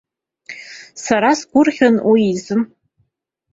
Сара сгәырӷьон уи азы.